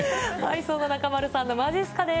そんな中丸さんのまじっすかです。